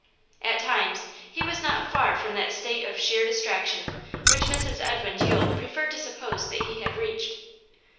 At times he was not far from that state of sheer distraction which Mrs Edmund Yule preferred to suppose that he had reached.